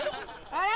あれ？